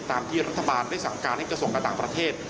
ตามที่รัฐบาลได้สั่งการให้กระทรวงการต่างประเทศ